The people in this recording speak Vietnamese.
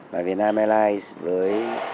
và vietnam airlines với